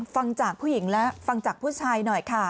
ฟังจากผู้หญิงแล้วฟังจากผู้ชายหน่อยค่ะ